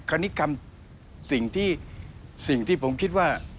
คนนี้คำสิ่งที่ผมคิดว่า